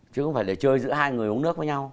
chứ không phải để chơi giữa hai người uống nước với nhau